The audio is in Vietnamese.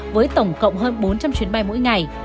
với tổng cộng hơn bốn trăm linh chuyến bay mỗi ngày